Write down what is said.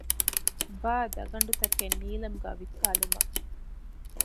ބާ ދަގަނޑުތަކެއް ނީލަމުގައި ވިއްކާލުމަށް